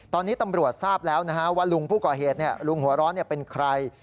ตอนนี้ตำรวจทราบแล้วว่าลุงผู้ก่อเหตุลุงหัวร้อนเป็นใคร